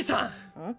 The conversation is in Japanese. うん？